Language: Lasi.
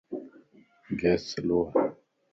گيس سلووَ